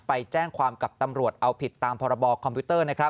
ไปแจ้งความกับตำรวจเอาผิดตามพรบคอมพิวเตอร์